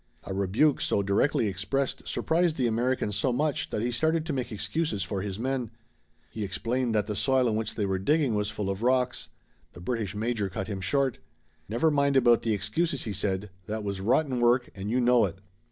A rebuke so directly expressed surprised the American so much that he started to make excuses for his men. He explained that the soil in which they were digging was full of rocks. The British major cut him short. "Never mind about the excuses," he said, "that was rotten work and you know it."